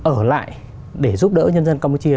ở lại để giúp đỡ nhân dân campuchia